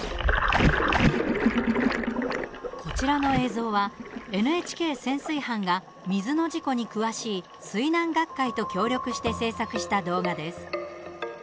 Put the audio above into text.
こちらの映像はＮＨＫ潜水班が水の事故に詳しい水難学会と協力して制作した動画です。